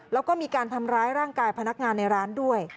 แล้วก็มีการทำร้ายร่างกายพนักงานในร้านด้วย